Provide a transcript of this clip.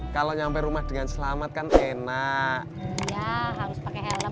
kalau nyampe rumah dengan selamatkan enak harus pakai helm